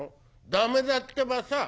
「駄目だってばさ。